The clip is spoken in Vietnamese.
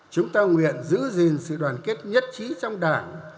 chúng ta nguyện giữ gìn sự đoàn kết nhất trí trong đảng